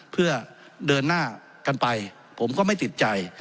เพื่อเดินหน้ากันไปผมก็ไม่ติดใจ